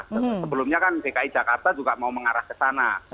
sebelumnya kan dki jakarta juga mau mengarah ke sana